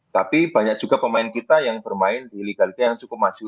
tapi banyak juga pemain kita yang bermain di liga liga yang cukup maju